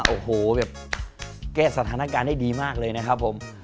โอ้โหแบบแก้สถานการณ์ได้ดีมากเลยนะครับผม